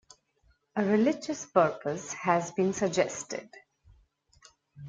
A religious purpose has been suggested.